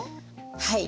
はい。